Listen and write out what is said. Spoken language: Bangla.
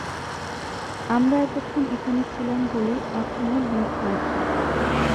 আমরা এতক্ষণ এখানে ছিলাম বলেই এখনও বেঁচে আছি।